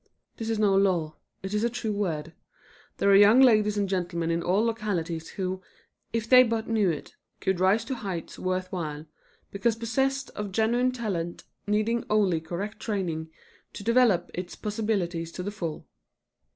This is no lure; it is a true word: There are young ladies and gentlemen in all localities who, if they but knew it, could rise to heights worth while, because possessed of genuine talent needing only correct training to develop its possibilities to the full.